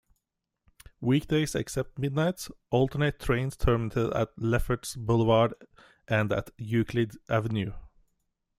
Weekdays except midnights, alternate trains terminated at Lefferts Boulevard and at Euclid Avenue.